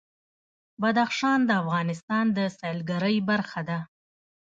بدخشان د افغانستان د سیلګرۍ برخه ده.